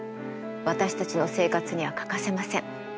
私たちの生活には欠かせません。